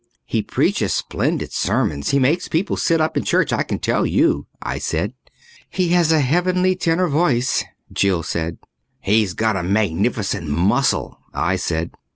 "He preaches splendid sermons he makes people sit up in church, I can tell you," I said. "He has a heavenly tenor voice," Jill said. "He's got a magnificent muscle," I said.